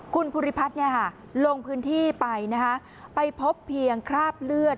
คุณภูริพัฒน์ลงพื้นที่ไปนะคะไปพบเพียงคราบเลือด